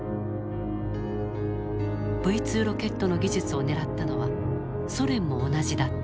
Ｖ２ロケットの技術を狙ったのはソ連も同じだった。